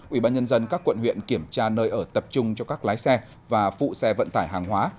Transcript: ubnd các quận huyện kiểm tra nơi ở tập trung cho các lái xe và phụ xe vận tải hàng hóa